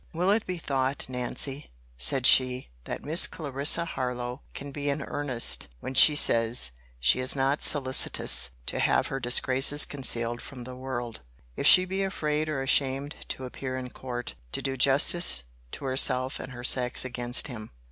Will it be thought, Nancy, said she, that Miss Clarissa Harlowe can be in earnest, when she says, she is not solicitous to have her disgraces concealed from the world, if she be afraid or ashamed to appear in court, to do justice to herself and her sex against him?